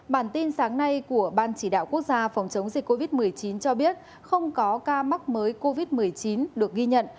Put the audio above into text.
bản tin sáng nay của ban chỉ đạo quốc gia phòng chống dịch covid một mươi chín cho biết không có ca mắc mới covid một mươi chín được ghi nhận